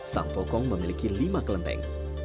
sampokong memiliki lima klenteng